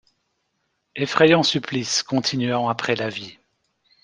Effrayant supplice continuant après la vie.